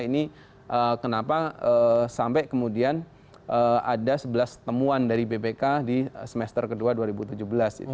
ini kenapa sampai kemudian ada sebelas temuan dari bpk di semester kedua dua ribu tujuh belas